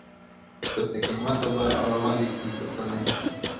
تا تر قیامته په اورغوي کي کتلای نه سم -